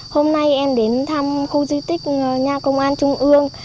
hôm nay em đến thăm khu di tích nhà công an trung ương